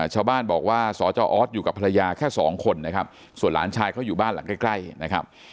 ชาวบ้านบอกว่าสจออสอยู่กับภรรยาแค่สองคนนะครับส่วนหลานชายเขาอยู่บ้านหลังใกล้นะครับ